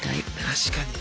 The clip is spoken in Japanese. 確かに。